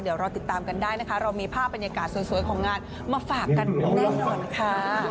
เดี๋ยวรอติดตามกันได้นะคะเรามีภาพบรรยากาศสวยของงานมาฝากกันแน่นอนค่ะ